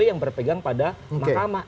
yang berpegang pada mahkamah